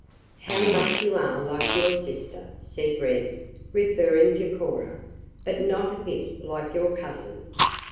"How much you are like your sister," said Wren, referring to Cora, "but not a bit like your cousin."